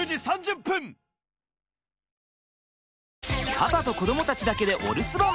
パパと子どもたちだけでお留守番。